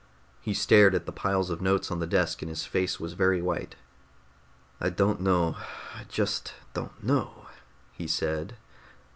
He stared at the piles of notes on the desk and his face was very white. "I don't know, I just don't know," he said.